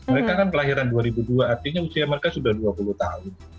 mereka kan kelahiran dua ribu dua artinya usia mereka sudah dua puluh tahun